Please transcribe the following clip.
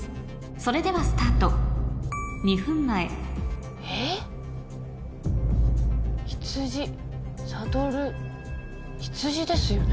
それではスタート２分前羊サドル羊ですよね？